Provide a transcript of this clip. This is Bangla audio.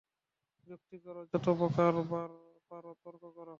যুক্তি কর, যত প্রকারে পার তর্ক কর।